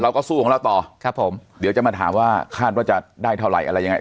สู้ของเราต่อครับผมเดี๋ยวจะมาถามว่าคาดว่าจะได้เท่าไหร่อะไรยังไง